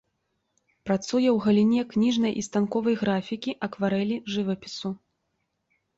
Працуе ў галіне кніжнай і станковай графікі, акварэлі, жывапісу.